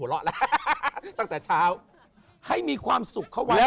หัวหรอกแล้วตั้งแต่เช้า